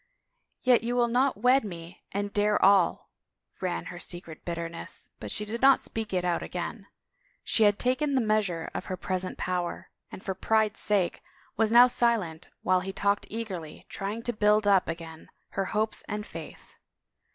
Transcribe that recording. " Yet you will not wed me and dare all," ran her secret bitterness but she did not speak it out again. She had taken the measure of her present power and for pride's sake was now silent while he talked eagerly, trying to build up again her hopes and faith.